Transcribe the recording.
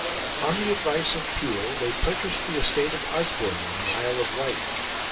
On the advice of Peel they purchased the estate of Osborne, in the Isle of Wight.